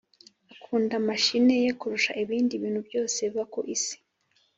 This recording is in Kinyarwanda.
Akunda mashine ye kurusha ibindi bintu byose biba ku isi